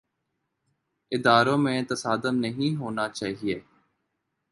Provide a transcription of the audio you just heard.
اداروں میں تصادم نہیں ہونا چاہیے۔